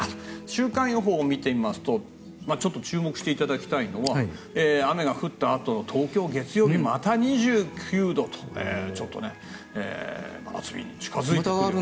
週間予報を見てみますとちょっと注目していただきたいのは雨が降ったあとの東京、月曜日また２９度とちょっと真夏日に近付いてくる。